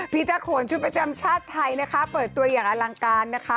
ภิษฐะโคนชุมประจำชาติไทยเปิดตัวอย่างอลังการนะคะ